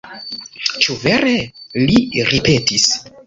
Ĉu vere!? li ripetis.